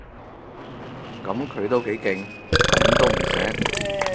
噉佢都幾勁，噉都唔醒